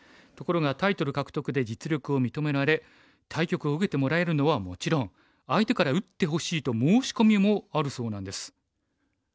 ところがタイトル獲得で実力を認められ対局を受けてもらえるのはもちろん相手から打ってほしいと申し込みもあるそうなんです。